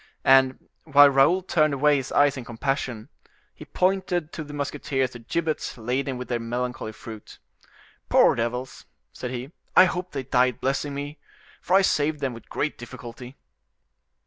And, while Raoul turned away his eyes in compassion, he pointed to the musketeers the gibbets laden with their melancholy fruit. "Poor devils!" said he, "I hope they died blessing me, for I saved them with great difficulty."